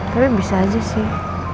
tapi bisa aja sih